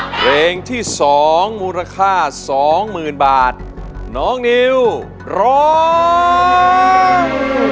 เพลงที่สองมูลค่าสองหมื่นบาทน้องนิวร้อง